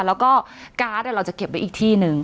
แล้วก็การ์ดอ่ะเราจะเก็บไปอีกที่นึง